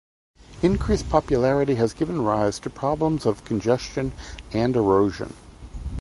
Increased popularity has given rise to problems of congestion and erosion.